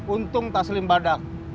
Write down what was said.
untung taslim badak